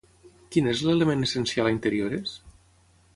Quin és l'element essencial a Interiores?